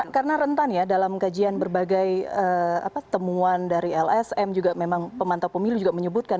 karena rentan ya dalam kajian berbagai temuan dari lsm juga memang pemantau pemilu juga menyebutkan